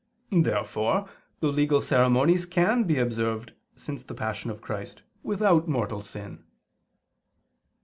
Therefore the legal ceremonies can be observed since the Passion of Christ without mortal sin.